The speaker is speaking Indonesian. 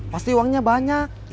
pasti uangnya banyak